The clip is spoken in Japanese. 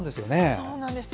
そうなんです。